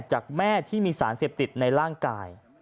จากแม่ที่มีสารเสพติดในร่างกาย